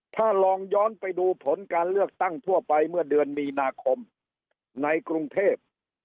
ถ้าลองย้อนไปดูผลการเลือกตั้งทั่วไปเมื่อเดือนมีนาคมในกรุงเทพ